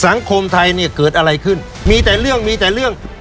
สังคมไทยเนี่ยเกิดอะไรขึ้นมีแต่เรื่องมีแต่เรื่อง